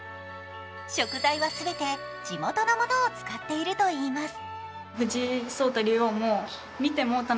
食材は全て地元のものを使っているといいます。